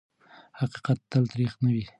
حقیقت تل تریخ نه وي.